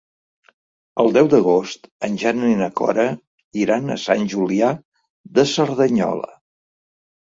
El deu d'agost en Jan i na Cora iran a Sant Julià de Cerdanyola.